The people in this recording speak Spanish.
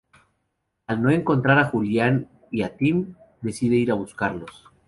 Al no encontrar a Julián y a Tim, decide ir a buscarlos.